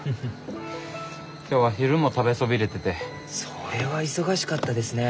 それは忙しかったですね。